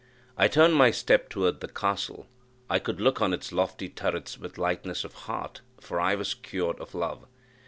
I turned my steps toward the castle I could look on its lofty turrets with lightness of heart, for I was cured of love.